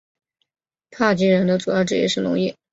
帕基人的主要职业是农业。